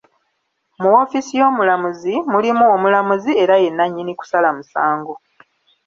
Mu woofiisi y'Omulamuzi, mulimu Omulamuzi era ye nannyini kusala misango.